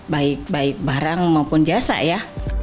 baik baik barang maupun jasa ya